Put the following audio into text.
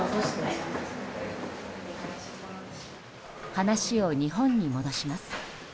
話を日本に戻します。